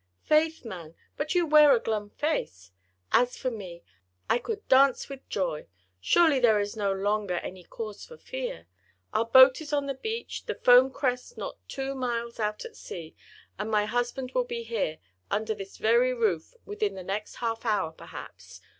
"Faith, man! but you wear a glum face! As for me, I could dance with joy! Surely there is no longer any cause for fear. Our boat is on the beach, the Foam Crest not two miles out at sea, and my husband will be here, under this very roof, within the next half hour perhaps.